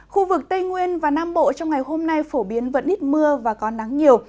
khu vực tây nguyên và nam bộ trong ngày hôm nay phổ biến vẫn ít mưa và có nắng nhiều